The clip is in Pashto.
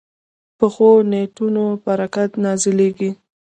پخو نیتونو برکت نازلېږي